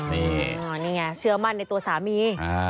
นี่นี่ไงเชื่อมั่นในตัวสามี